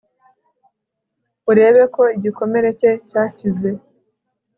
urebe ko igikomere cye cyakize